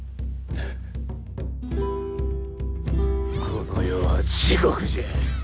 この世は地獄じゃ！